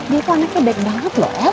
dia tuh anaknya baik banget loh ya